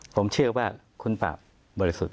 ผมเชื่อว่าคุณปราบบริสุทธิ์